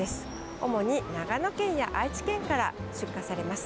主に長野県や愛知県から出荷されます。